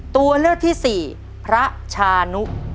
ตัวเลือกที่สี่พระชานุ